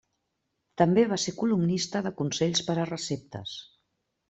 També va ser columnista de consells per a receptes.